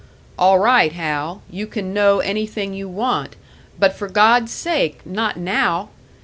"All right, Hal you can know anything you want; but for God's sake, not now!